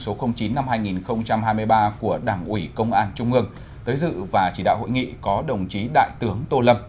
số chín năm hai nghìn hai mươi ba của đảng ủy công an trung ương tới dự và chỉ đạo hội nghị có đồng chí đại tướng tô lâm